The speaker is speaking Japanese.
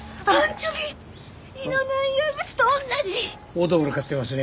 オードブル買ってますね